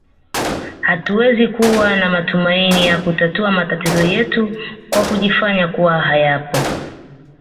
Hatuwezi kuwa na matumaini ya kutatua matatizo yetu kwa kujifanya kuwa hayapo